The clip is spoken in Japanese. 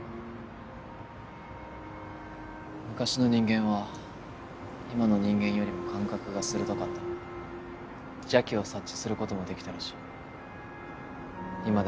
昔の人間は今の人間よりも感覚が鋭かった邪気を察知することもできたらしい